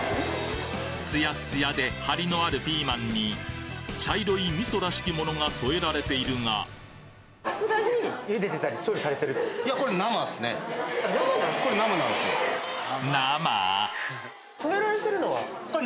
ツヤッツヤで張りのあるピーマンに茶色い味噌らしきものが添えられているが生なんですか？